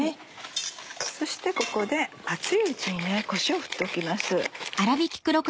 そしてここで熱いうちにこしょうを振っておきます。